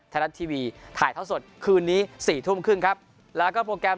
ไทยรัฐทีวีถ่ายท่อสดคืนนี้สี่ทุ่มครึ่งครับแล้วก็โปรแกรม